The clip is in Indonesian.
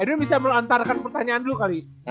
edwin bisa melantarkan pertanyaan lu kali